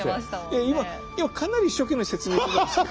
いや今今かなり一生懸命説明しました。